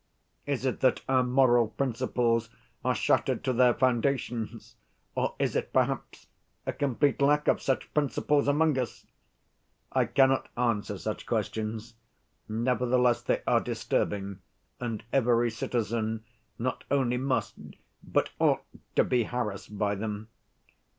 Is it that our moral principles are shattered to their foundations, or is it, perhaps, a complete lack of such principles among us? I cannot answer such questions; nevertheless they are disturbing, and every citizen not only must, but ought to be harassed by them.